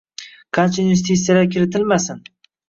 qancha investitsiyalar kiritilmasin